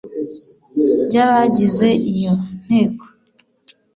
by abagize iyo nteko